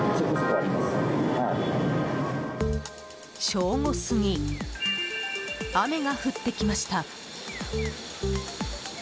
正午過ぎ、雨が降ってきました。